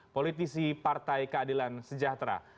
politisi partai keadilan sejahtera